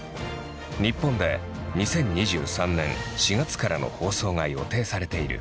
日本で２０２３年４月からの放送が予定されている。